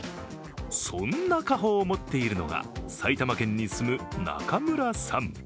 そんな家宝を持っているのが埼玉県に住む中村さん。